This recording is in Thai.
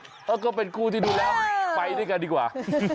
เออก็เป็นคู่ที่ดูแล้วไปด้วยกันดีกว่า